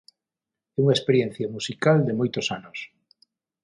É unha experiencia musical de moitos anos.